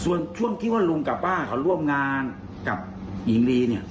ส่วนช่วงที่ว่าลุงกับป้าเขาร่วมงานกับหญิงลีเนี่ย